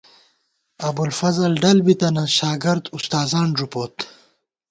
ابُوالفضل ڈل بی تنہ ، شاگرد اُستاذان ݫُپوت